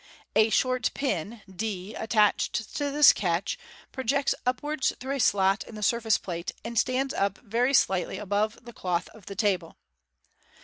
A short pin d attached to this catch pro jects upwards through a slot in the surface plate, and stands up very slightly above the cloth of the table.